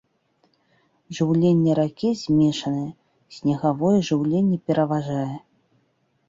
Жыўленне ракі змяшанае, снегавое жыўленне пераважае.